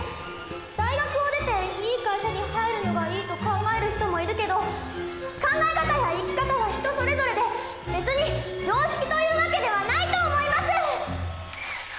大学を出て良い会社に入るのがいいと考える人もいるけど考え方や生き方は人それぞれで別に常識という訳ではないと思います！